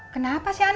kenapa sih ani